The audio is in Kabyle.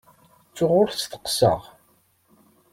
Ttuɣ ur t-sseqsaɣ.